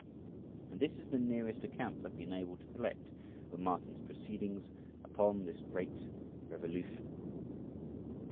And this is the nearest account I have been able to collect of Martin's proceedings upon this great revolution.